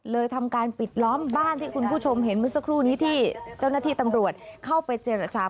ทำการปิดล้อมบ้านที่คุณผู้ชมเห็นเมื่อสักครู่นี้ที่เจ้าหน้าที่ตำรวจเข้าไปเจรจา